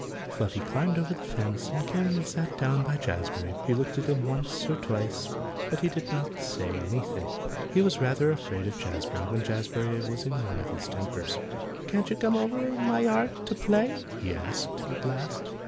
Fluffy climbed over the fence and came and sat down by Jazbury. He looked at him once or twice, but he did not say anything. He was rather afraid of Jazbury when Jazbury was in one of his tempers. "Can't you come over in my yard to play?" he asked at last.